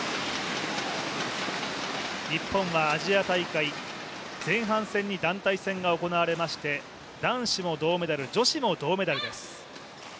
日本はアジア大会前半戦に団体戦が行われまして、男子も銅メダル女子も銅メダルです。